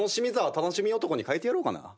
たのしみおとこに変えてやろうかな。